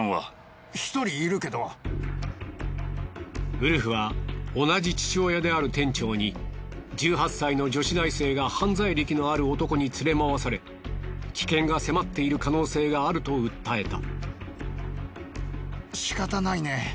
ウルフは同じ父親である店長に１８歳の女子大生が犯罪歴のある男につれ回され危険が迫っている可能性があると訴えた。